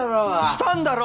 したんだろ！